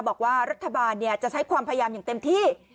บอกว่ารัฐบาลจะใช้ความพยายามอย่างเต็มที่